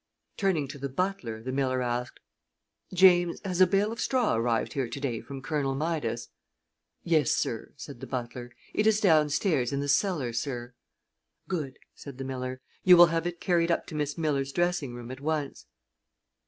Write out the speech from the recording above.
Turning to the butler, the miller asked: "James, has a bale of straw arrived here to day from Colonel Midas?" "Yes, sir," said the butler. "It is down stairs in the cellar, sir." "Good!" said the miller. "You will have it carried up to Miss Miller's dressing room at once."